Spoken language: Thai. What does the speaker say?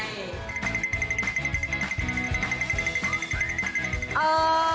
ปุ๊บปุ๊บ